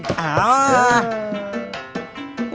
udah ulang lagi